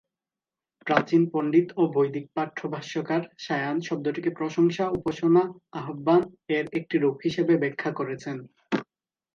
প্রাচীন পণ্ডিত ও বৈদিক পাঠ্য ভাষ্যকার সায়ান শব্দটিকে "প্রশংসা, উপাসনা, আহ্বান" এর একটি রূপ হিসাবে ব্যাখ্যা করেছেন।